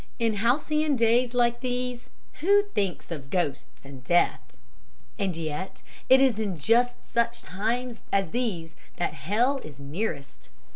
In halcyon days like these who thinks of ghosts and death? "And yet! It is in just such times as these that hell is nearest.